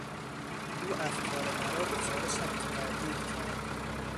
او افکار مرا دچار شک و تردید کرد.